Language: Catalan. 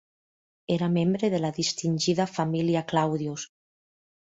Era membre de la distingida família Claudius.